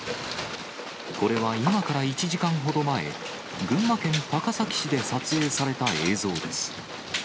これは今から１時間ほど前、群馬県高崎市で撮影された映像です。